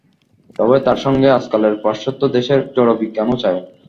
তবে তার সঙ্গে আজকালের পাশ্চাত্য দেশের জড়বিজ্ঞানও চাই।